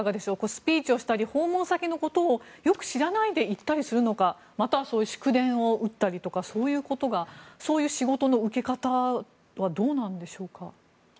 スピーチしたり訪問先のことをよく知らないで行ったりするのかまたはそういう祝電を打ったりとかそういう仕事の受け方はどうなんでしょうか。